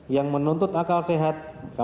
yang menuntut akal sehat